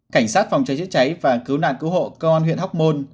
cảnh sát phòng cháy chết cháy và cứu nạn cứu hộ cơ quan huyện hóc môn